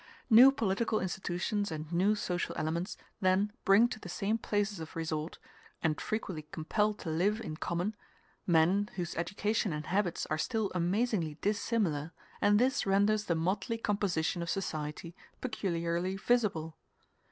New political institutions and new social elements then bring to the same places of resort, and frequently compel to live in common, men whose education and habits are still amazingly dissimilar, and this renders the motley composition of society peculiarly visible.